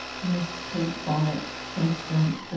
"Miss Kate Bonnet, Kingston, Ja."